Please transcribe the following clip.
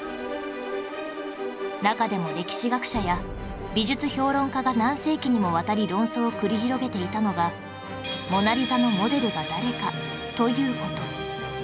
中でも歴史学者や美術評論家が何世紀にもわたり論争を繰り広げていたのが『モナ・リザ』のモデルが誰か？という事